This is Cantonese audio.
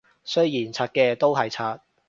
雖然柒嘅都係柒